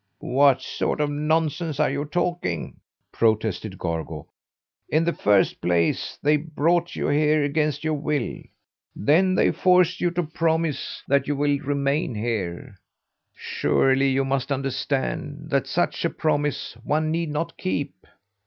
"What sort of nonsense are you talking?" protested Gorgo. "In the first place they brought you here against your will; then they forced you to promise that you would remain here. Surely you must understand that such a promise one need not keep?"